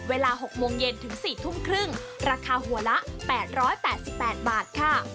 เวลา๖โมงเย็นถึง๔ทุ่มครึ่งราคาหัวละ๘๘บาทค่ะ